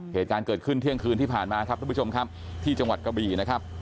เหตุการณ์เกิดขึ้นเที่ยงคืนที่ผ่านมาครับทุกผู้ชมครับที่จังหวัดกระบี่นะครับ